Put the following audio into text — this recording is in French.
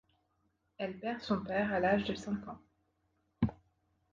Elle perd son père à l'âge de cinq ans.